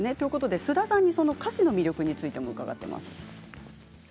菅田さんに歌詞の魅力についても伺っています。